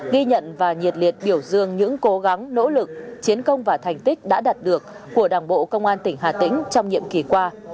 ghi nhận và nhiệt liệt biểu dương những cố gắng nỗ lực chiến công và thành tích đã đạt được của đảng bộ công an tỉnh hà tĩnh trong nhiệm kỳ qua